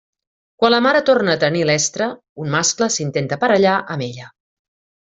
Quan la mare torna a tenir l'estre, un mascle s'intenta aparellar amb ella.